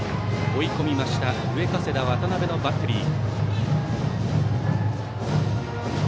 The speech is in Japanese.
追い込みました上加世田、渡辺のバッテリー。